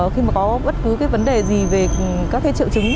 khi mà có bất cứ vấn đề gì về các triệu chứng